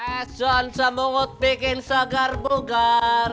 es zon semungut bikin segar bugar